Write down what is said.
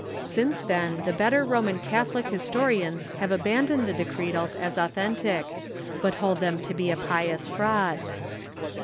Since then the better Roman Catholic historians have abandoned the Decretals as authentic, but hold them to be a pious fraud.